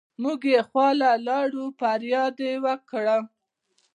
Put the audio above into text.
مونږ يې خواله لاړو فرياد يې وکړو